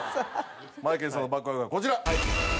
マエケンさんの「バックハグ」がこちら。